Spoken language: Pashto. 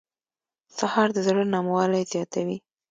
سهار د زړه نرموالی زیاتوي.